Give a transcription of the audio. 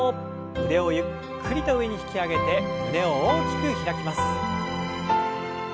腕をゆっくりと上に引き上げて胸を大きく開きます。